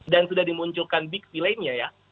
dan sudah dimunculkan big philem nya ya